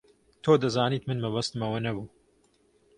تۆ دەزانیت من مەبەستم ئەوە نەبوو.